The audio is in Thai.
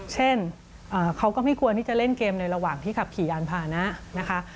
เช่นเขาก็ไม่ควรที่จะเล่นเกมในระหว่างที่ขับขี่ยานพานะนะคะ